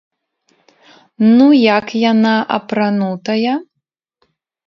Ну як яна апранутая?